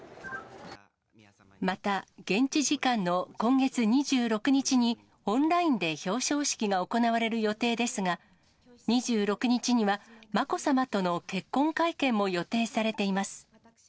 また、現地時間の今月２６日に、オンラインで表彰式が行われる予定ですが、２６日には、まこさまとの結婚会見も予定されています。